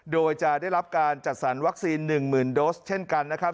โดยจะได้รับการจัดสรรวัคซีน๑๐๐๐โดสเช่นกันนะครับ